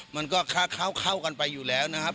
มันก็ค่าเข้ากันไปอยู่แล้วนะครับ